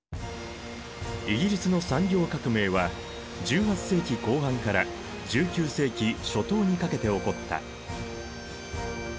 イギリスの産業革命は１８世紀後半から１９世紀初頭にかけて起こった。